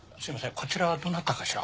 こちらはどなたかしら？